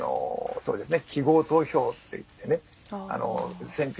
そうですね。